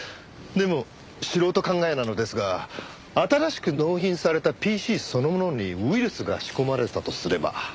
でも素人考えなのですが新しく納品されたＰＣそのものにウイルスが仕込まれていたとすれば。